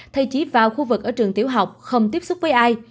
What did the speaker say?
thay chỉ vào khu vực ở trường tiểu học không tiếp xúc với ai